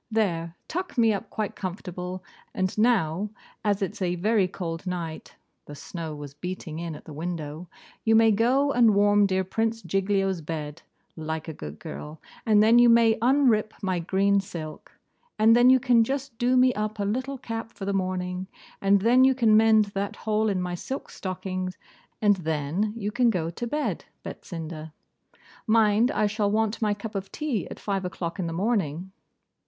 There, tuck me up quite comfortable; and now, as it's a very cold night (the snow was beating in at the window), you may go and warm dear Prince Giglio's bed, like a good girl, and then you may unrip my green silk, and then you can just do me up a little cap for the morning, and then you can mend that hole in my silk stocking, and then you can go to bed, Betsinda. Mind I shall want my cup of tea at five o'clock in the morning.